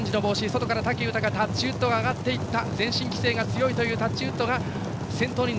外から武豊、タッチウッド上がっていった。